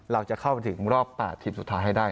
เราจะเข้าไปถึงรอบ๘ทีมสุดท้ายให้ได้